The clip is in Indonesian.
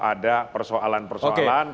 ada persoalan persoalan oke